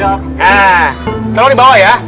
nah tolong dibawa ya